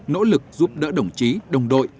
nỗ lực giúp đỡ đồng chí đồng đội